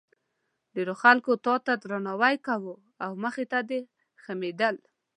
ډېرو خلکو تا ته درناوی کاوه او مخې ته دې خمېدل.